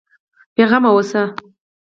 بېغمه اوسه.